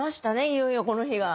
いよいよこの日が。